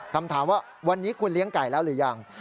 คำถามว่าวันนี้คุณเลี้ยงไก่แล้วหรือยัง